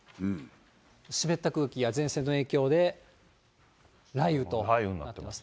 湿った空気や前線の影響で雷雨となっています。